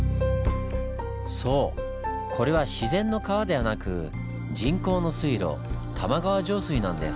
そうこれは自然の川ではなく人工の水路玉川上水なんです。